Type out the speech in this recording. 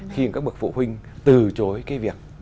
khi các bậc phụ huynh từ chối việc